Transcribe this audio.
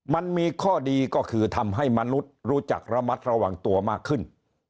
มันมีข้อดีก็คือทำให้มนุษย์รู้จักระมัดระวังตัวมากขึ้น